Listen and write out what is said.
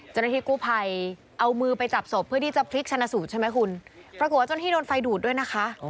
จนที่กู้ภัยเอามือไปจับสบเพื่อที่จะพลิกชนะสูตรใช่ไหมคุณประกวดจนที่โดนไฟดูดด้วยนะคะ